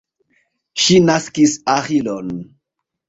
Ŝi naskis Aĥilon.